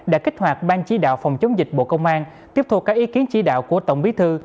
đã kích hoạt ban chỉ đạo phòng chống dịch bộ công an tiếp thu các ý kiến chỉ đạo của tổng bí thư